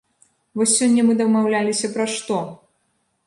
Вось сёння мы дамаўляліся пра што?